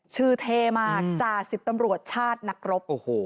ชื่อเทมากจ่าสิทธิ์ตำรวจชาตินักรบ